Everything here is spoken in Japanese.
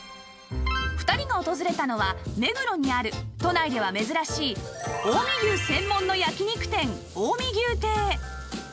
２人が訪れたのは目黒にある都内では珍しい近江牛専門の焼き肉店近江牛亭